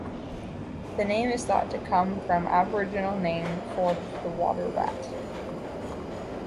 The name is thought to come from an Aboriginal name for the Water Rat.